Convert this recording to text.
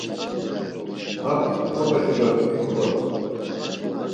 Ham komeçu do imxoy.